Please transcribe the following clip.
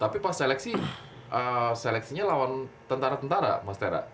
tapi pas seleksinya lawan tentara tentara mas tera